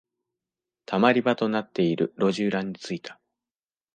溜まり場となっている路地裏に着いた。